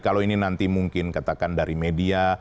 kalau ini nanti mungkin katakan dari media